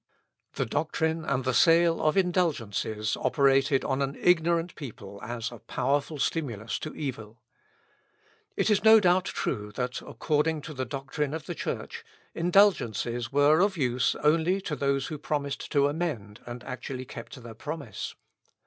The doctrine and the sale of indulgences operated on an ignorant people as a powerful stimulus to evil. It is no doubt true, that, according to the doctrine of the Church, indulgences were of use only to those who promised to amend, and actually kept their promise.